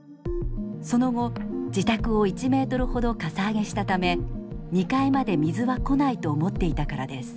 その後自宅を１ｍほどかさ上げしたため２階まで水は来ないと思っていたからです。